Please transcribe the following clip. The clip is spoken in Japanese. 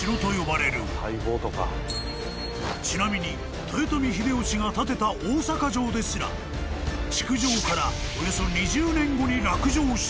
［ちなみに豊臣秀吉が建てた大坂城ですら築城からおよそ２０年後に落城している］